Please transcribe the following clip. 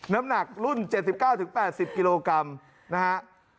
น้ำหนักรุ่น๗๙๘๐กิโลกรัมนะฮะ